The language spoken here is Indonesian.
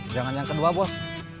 jangan yang kedua bos